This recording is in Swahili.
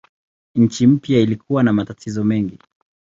Nchi mpya ilikuwa na matatizo mengi.